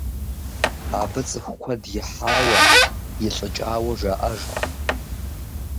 Абы цӀыху куэд ихьауэ, илӀыкӀауэ жаӀэж.